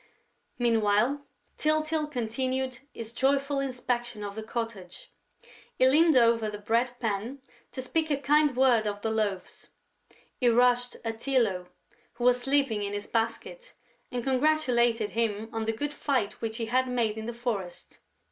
Meanwhile, Tyltyl continued his joyful inspection of the cottage. He leaned over the bread pan to speak a kind word to the Loaves; he rushed at Tylô, who was sleeping in his basket, and congratulated him on the good fight which he had made in the forest.